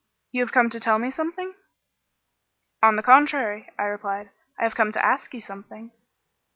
You have come to tell me something?" "On the contrary," I replied, "I have come to ask you something."